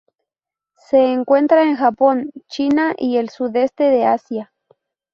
Se encuentra en Japón, China, y el Sudeste de Asia.